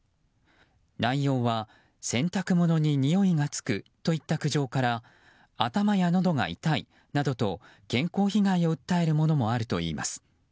内容は洗濯物ににおいがつくといった苦情から頭やのどが痛いなどと健康被害を訴えるものもあるといいます。